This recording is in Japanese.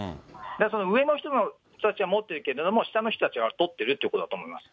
上の人たちは持ってるけれども、下の人たちは取ってるということだと思います。